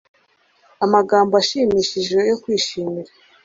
Amagambo ashimishije yo kwishimira